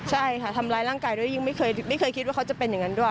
ใช่ค่ะทำร้ายร่างกายด้วยยิ่งไม่เคยคิดว่าเขาจะเป็นอย่างนั้นด้วย